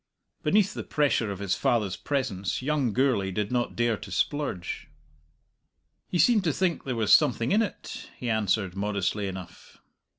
Beneath the pressure of his father's presence young Gourlay did not dare to splurge. "He seemed to think there was something in it," he answered, modestly enough.